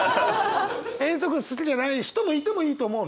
遠足好きじゃない人もいてもいいと思うのよ。